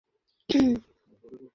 ঘটনাবলী তিনি বছরওয়ারী বর্ণনা করেছেন।